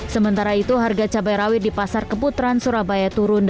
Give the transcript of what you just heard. sementara itu harga cabai rawit di pasar keputaran surabaya turun